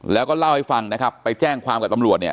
แล้วก็เล่าให้ฟังนะครับไปแจ้งความกับตำรวจเนี่ย